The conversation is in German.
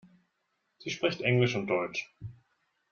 Sie spricht Englisch und Deutsch.